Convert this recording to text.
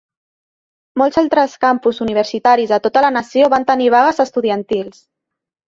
Molts altres campus universitaris de tota la nació van tenir vagues estudiantils.